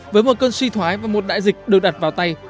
với một cơn suy thoái và một đại dịch được đặt vào tay